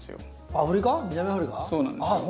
そうなんですよ。